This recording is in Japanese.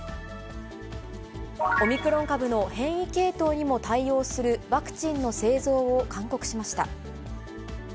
オミクロン株の変異系統にも対応するワクチンの製造を勧告しました。